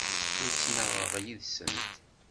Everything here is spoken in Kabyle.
Ur ttnaɣeɣ yid-sent.